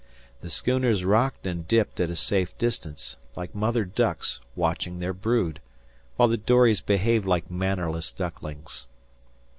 The schooners rocked and dipped at a safe distance, like mother ducks watching their brood, while the dories behaved like mannerless ducklings.